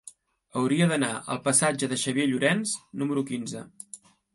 Hauria d'anar al passatge de Xavier Llorens número quinze.